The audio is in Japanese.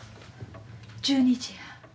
１２時や。